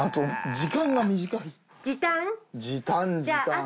時短時短。